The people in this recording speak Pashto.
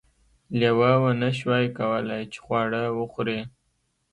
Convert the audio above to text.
لیوه ونشوای کولی چې خواړه وخوري.